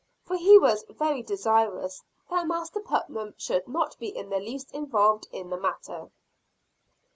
For he was very desirous that Master Putnam should not be in the least involved in the matter.